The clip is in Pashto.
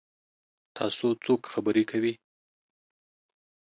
تاسو څوک خبرې کوي؟